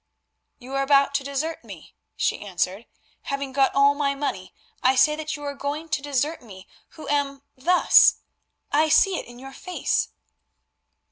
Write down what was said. "You are about to desert me," she answered; "having got all my money, I say that you are going to desert me who am—thus! I see it in your face."